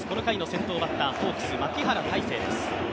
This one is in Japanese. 先頭バッターはホークス、牧原大成です。